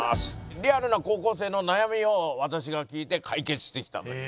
リアルな高校生の悩みを私が聞いて解決してきたという。